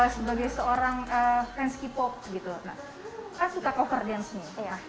sebagai seorang fans k pop gitu kak suka cover dancenya